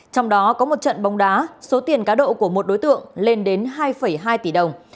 trong đó có một trận bóng đá số tiền cá độ của một đối tượng lên đến hai hai tỷ đồng